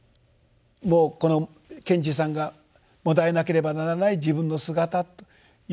もうこの賢治さんがもだえなければならない自分の姿というものを書く。